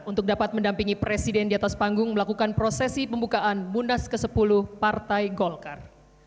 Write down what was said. untuk dapat mendampingi presiden di atas panggung melakukan prosesi pembukaan munas ke sepuluh partai golkar